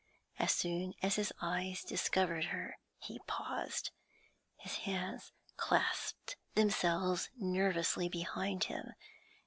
As soon as his eyes discovered her he paused; his hands clasped themselves nervously behind him.